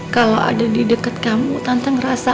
kalau ada di deket kamu tante ngerasa